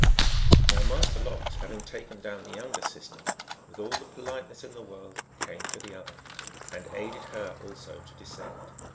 Now Master Lox, having taken down the younger sister with all the politeness in the world, came for the other, and aided her also to descend.